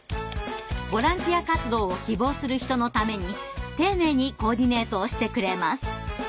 ボランティア活動を希望する人のために丁寧にコーディネートをしてくれます。